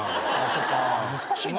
そっか難しいな。